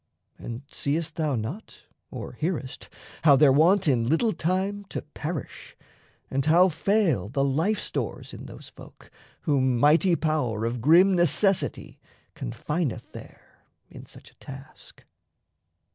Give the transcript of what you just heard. And seest thou not, or hearest, how they're wont In little time to perish, and how fail The life stores in those folk whom mighty power Of grim necessity confineth there In such a task?